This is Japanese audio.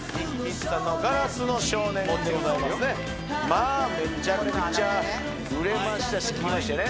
まあめちゃくちゃ売れましたし聴きましたよね